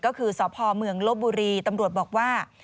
ก็คือสพเมืองลบบุรีตำรวจบอกว่า